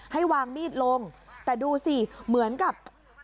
ให้วางมีดลงแต่ดูสิเหมือนกับ